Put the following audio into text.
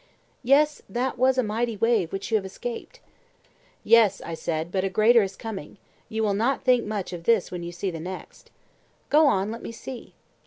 Yes, that was a mighty wave which you have escaped. Yes, I said, but a greater is coming; you will not think much of this when you see the next. Go on; let me see.